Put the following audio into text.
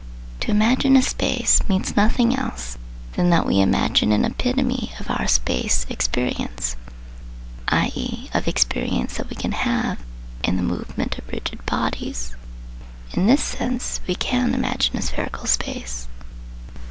To imagine a space means nothing else than that we imagine an epitome of our " space " experience, i.e. of experience that we can have in the movement of " rigid " bodies. In this sense we can imagine a spherical space.